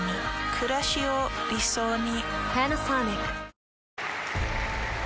くらしを理想に。